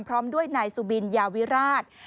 พร้อมด้วยนายสุบินยาวิราช